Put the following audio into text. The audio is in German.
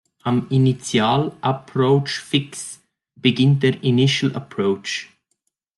Am Initial Approach Fix beginnt der "initial approach".